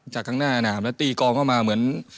จากข้างหน้าน้ำแล้วตีกองเข้ามาเหมือน